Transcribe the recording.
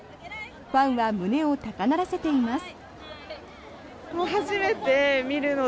ファンは胸を高鳴らせています。